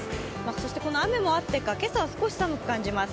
そしてこの雨もあってか、今朝は少し寒く感じます。